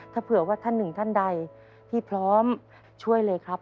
ถ้าเผื่อว่าท่านหนึ่งท่านใดพี่พร้อมช่วยเลยครับ